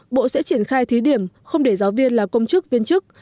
bộ sẽ triển khai thí điểm không để giáo viên là công chức viên chức